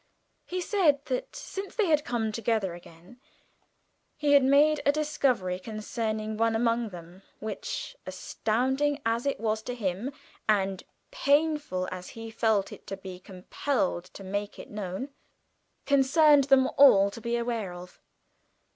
He said that, since they had come together again, he had made a discovery concerning one among them which, astounding as it was to him, and painful as he felt it to be compelled to make it known, concerned them all to be aware of.